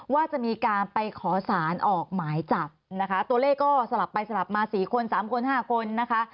ว่าจะมีการไปขอสารออกหมายจับนะคะตัวเลขก็สลับไปสลับมา๔คน๓คน๕คนนะคะ